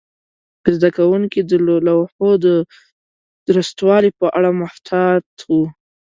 زده کوونکي د لوحو د درستوالي په اړه محتاط وو.